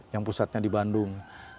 yang pusatnya di bandung